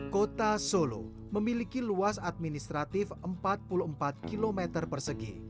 kota solo memiliki luas administratif empat puluh empat km persegi